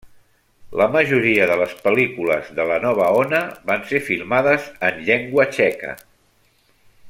La majoria de les pel·lícules de la Nova Ona van ser filmades en llengua txeca.